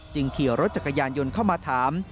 ขี่รถจักรยานยนต์เข้ามาถาม